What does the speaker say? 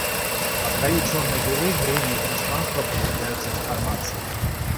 По краю черной дыры время и пространство подвергаются деформации.